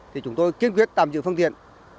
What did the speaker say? thì chúng tôi kiên quyết tạm dự phương tiện